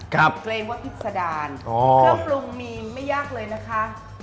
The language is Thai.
เกรงว่าอิสดาลก็ปรุงมีไม่ยากเลยนะคะ